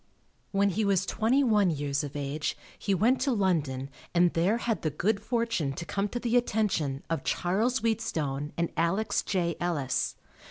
When he was twenty one years of age he went to London and there had the good fortune to come to the attention of Charles Wheatstone and Alex J. Ellis.